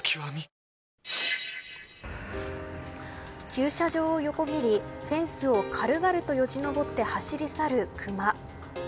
駐車場を横切りフェンスを軽々とよじ登って走り去るクマ。